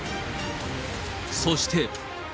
そして。